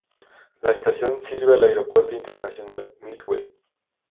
La estación sirve al Aeropuerto Internacional Midway.